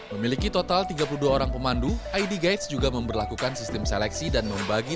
memiliki total tiga puluh dua orang pemandu id guides juga memperlakukan sistem seleksi dan membagi